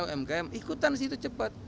umkm ikutan sih itu cepat